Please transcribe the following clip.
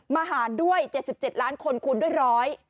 มาหาด้วย๗๗ล้านคนคุณด้วยร้อย